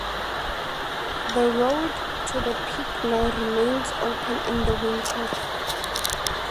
The road to the peak now remains open in the winter.